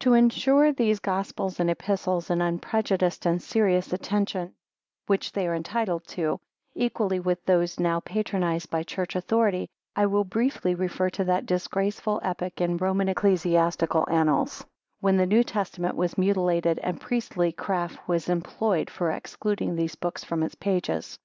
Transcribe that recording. To ensure these Gospels and Epistles an unprejudiced and serious attention, which they are entitled to, equally with those now patronised by Church authority, I will briefly refer to that disgraceful epoch in Roman Ecclesiastical Annals, when the New Testament was mutilated, and priestly craft was employed for excluding these books from its pages.